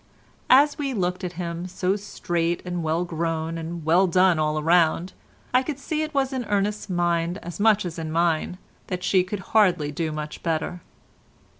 As we looked at him, so straight and well grown and well done all round, I could see it was in Ernest's mind as much as in mine that she could hardly do much better.